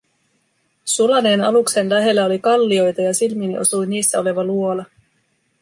Sulaneen aluksen lähellä oli kallioita, ja silmiini osui niissä oleva luola.